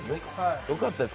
よかったです。